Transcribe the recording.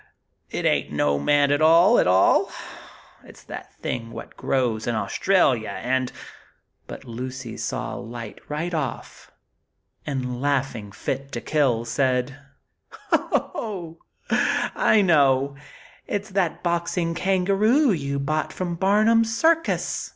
It ain't no man at all, at all! It's that thing what grows in Australia, and " But Lucy saw light right off; and "laughing fit to kill," said: "Oh, ho, ho!! I know! It's that boxing kangaroo you bought from Barnum's circus!"